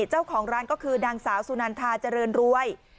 เจ้าของร้านก็คือนางสาวสุนันทาเจริญรวย